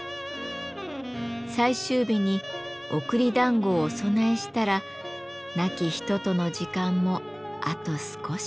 最終日に送り団子をお供えしたら亡き人との時間もあと少し。